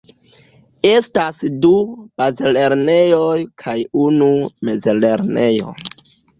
Estas du bazlernejoj kaj unu mezlernejo.